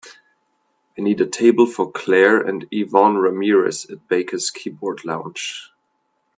I need a table for clare and yvonne ramirez at Baker's Keyboard Lounge